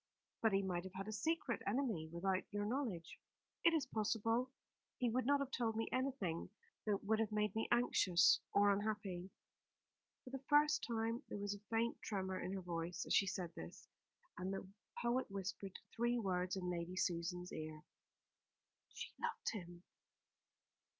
"But he might have had a secret enemy without your knowledge?" "It is possible. He would not have told me anything that would have made me anxious or unhappy." For the first time there was a faint tremor in her voice as she said this; and the poet whispered three words in Lady Susan's ear "She loved him!"